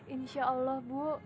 insya allah bu